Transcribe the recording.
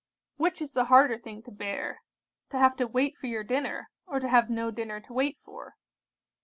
'Which is the harder thing to bear—to have to wait for your dinner, or to have no dinner to wait for?